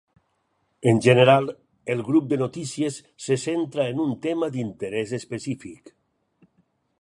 En general, el grup de notícies se centra en un tema d'interès específic.